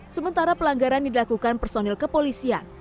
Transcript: sementara pelanggaran dilakukan personil kepolisian